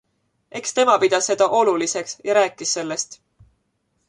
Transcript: Eks tema pidas seda oluliseks ja rääkis sellest.